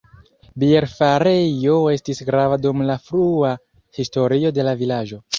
Bierfarejo estis grava dum la frua historio de la vilaĝo.